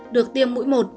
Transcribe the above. được tiêm mũi một